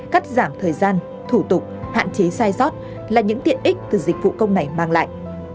cắt giảm thời gian thủ tục hạn chế sai sót là những tiện ích từ dịch vụ công này mang lại